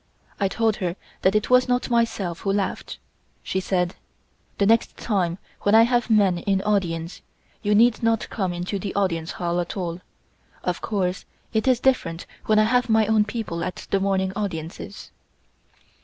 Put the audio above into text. I told her that it was not myself who laughed. She said: "The next time when I have men in audience you need not come into the Audience Hall at all. Of course it is different when I have my own people at the morning audiences."